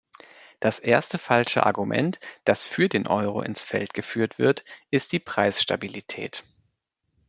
Das erste falsche Argument, das für den Euro ins Feld geführt wird, ist die Preisstabilität.